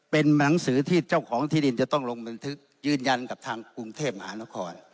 เป็นหนังสือที่เจ้าของที่ดินจะต้องลงบันทึกยืนยันกับทางกรุงเทพมหานคร